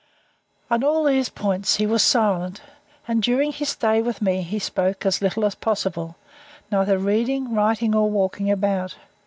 On all these points he was silent, and during his stay with me he spoke as little as possible, neither reading, writing, nor walking about.